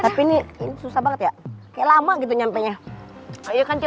tapi ini susah banget ya kayak lama gitu nyampenya